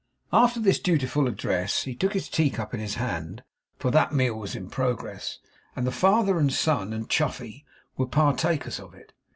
After this dutiful address he took his tea cup in his hand for that meal was in progress, and the father and son and Chuffey were partakers of it.